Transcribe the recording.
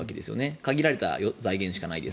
限られた財源しかないです。